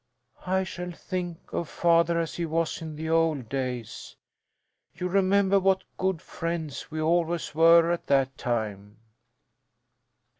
"I shall think of father as he was in the old days. You remember what good friends we always were at that time."